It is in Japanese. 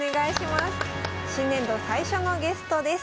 新年度最初のゲストです。